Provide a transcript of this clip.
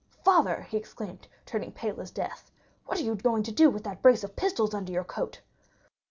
"Father," he exclaimed, turning pale as death, "what are you going to do with that brace of pistols under your coat?"